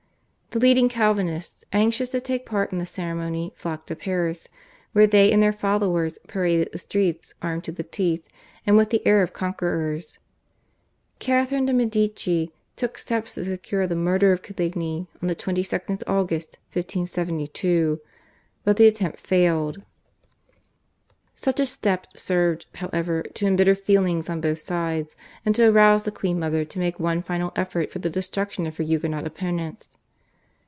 The leading Calvinists anxious to take part in the ceremony flocked to Paris, where they and their followers paraded the streets armed to the teeth and with the air of conquerors. Catharine de' Medici took steps to secure the murder of Coligny on the 22nd August, 1572, but the attempt failed. Such a step served, however, to embitter feelings on both sides, and to arouse the queen mother to make one final effort for the destruction of her Huguenot opponents.